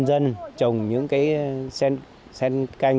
nhân dân trồng những cái sen canh